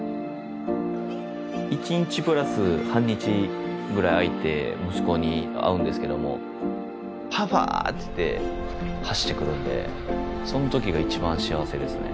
１日プラス半日ぐらい空いて息子に会うんですけども「パパー！」っつって走ってくるんでそん時が一番幸せですね。